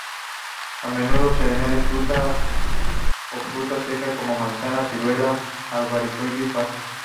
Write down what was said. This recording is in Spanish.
A menudo se añade fruta o fruta seca, como manzana, ciruela, albaricoque y pasas.